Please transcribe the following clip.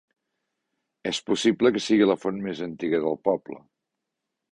És possible que sigui la font més antiga del poble.